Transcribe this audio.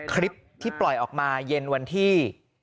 คลิปที่ปล่อยออกมาเย็นวันที่